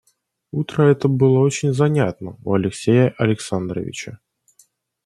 Утро это было очень занято у Алексея Александровича.